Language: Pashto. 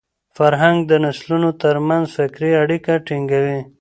فرهنګ د نسلونو تر منځ فکري اړیکه ټینګوي.